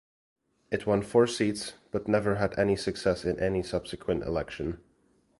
It won four seats, but never had any success in any subsequent election.